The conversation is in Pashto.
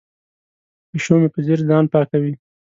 پیشو مې په ځیر ځان پاکوي.